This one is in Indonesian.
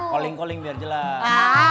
kaling kaling biar jelas